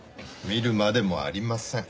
見るまでもありません。